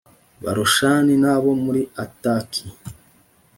borashani n abo muri ataki